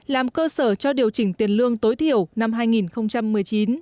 làm cơ sở cho điều chỉnh tiền lương tối thiểu năm hai nghìn một mươi chín